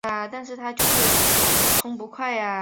国防科技大学应用力学专业硕士毕业。